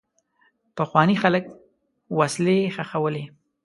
پخواني خلک وسلې ښخولې.